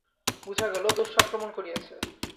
বুঝা গেল, দস্যু আক্রমণ করিয়াছে।